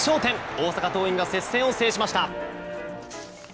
大阪桐蔭が接戦を制しました。